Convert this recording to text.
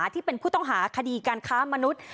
ที่เป็นผู้ต้องหาคดีการค้ามนุษย์